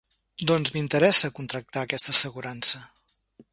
Doncs m'interessa contractar aquesta assegurança.